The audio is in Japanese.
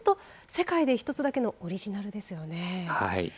世界に一つだけのオリジナルですよね。